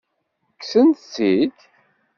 Kksen-tt-id?